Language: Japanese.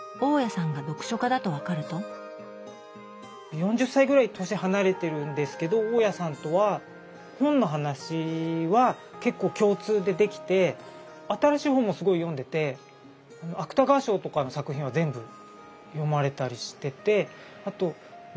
４０歳ぐらい年離れてるんですけど大家さんとは本の話は結構共通でできて新しい本もすごい読んでて芥川賞とかの作品は全部読まれたりしててあと村上春樹も好きで漫画にも書いたんですけど